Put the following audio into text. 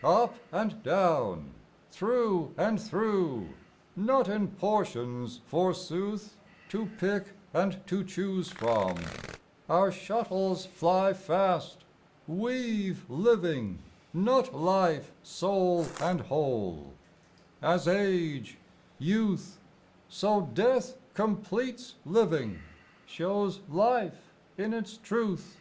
Up and down, through and through, not in portions, forsooth, To pick and to choose from, our shuttles fly fast, Weave living, not life sole and whole ; as age, youth, 22 JEaster 1[nterprete& So death completes living, shows life in its truth.